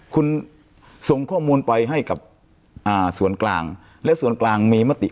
คุณส่งข้อมูลไปให้กับอ่าส่วนกลางและส่วนกลางมีมติ